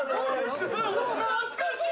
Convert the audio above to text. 懐かしい！